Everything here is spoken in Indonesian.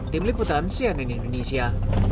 tim liputan cnn indonesia